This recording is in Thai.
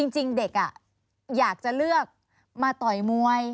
จริงเด็กอยากจะเลือกมาต่อยมวย